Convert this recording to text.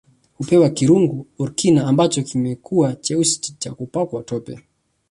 Hupewa kirungu Orikna ambacho kimekuwa cheusi kwa kupakwa tope